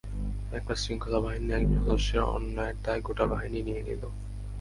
একটা শৃঙ্খলা বাহিনীর একজন সদস্যের অন্যায়ের দায় গোটা বাহিনী নিয়ে নিল।